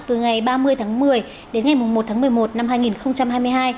từ ngày ba mươi tháng một mươi đến ngày một tháng một mươi một năm hai nghìn hai mươi hai